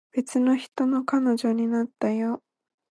別の人の彼女になったよ